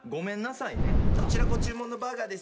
こちらご注文のバーガーです。